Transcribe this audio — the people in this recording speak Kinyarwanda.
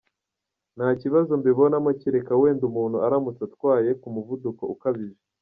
Nta kibazo mbibonamo kereka wenda umuntu aramutse atwaye ku muvuduko ukabije.